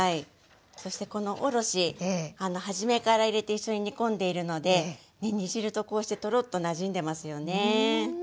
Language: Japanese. そしてこのおろし初めから入れて一緒に煮込んでいるのでねっ煮汁とこうしてトロッとなじんでますよね。